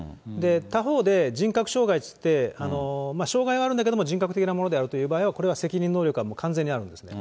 他方で、人格障害っていって障害はあるんだけれども、人格的なものであるという場合は、これは責任能力は完全にあるんですね。